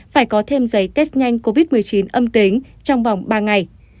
phải có thêm giấy test nhanh covid một mươi chín âm tính trong vòng ba ngày